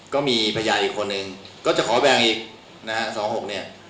ก็มีพยานอีกคนนึงก็จะขอแบ่งอีกนะฮะ๒๖เนี่ย